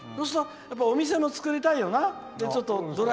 お店も作りたいよな。